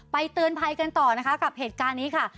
เตือนภัยกันต่อนะคะกับเหตุการณ์นี้ค่ะ